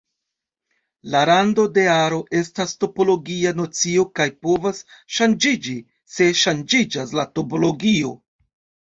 La rando de aro estas topologia nocio kaj povas ŝanĝiĝi se ŝanĝiĝas la topologio.